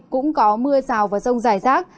cũng có mưa rào vào rông giải rác